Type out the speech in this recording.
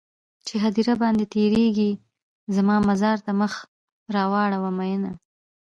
چې هديره باندې تيرېږې زما مزار ته مخ راواړوه مينه